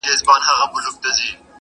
لکه ما چي خپل سکه وروڼه وژلي-